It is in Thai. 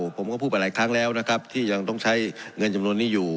ผมก็พูดไปหลายครั้งแล้วนะครับที่ยังต้องใช้เงินจำนวนนี้อยู่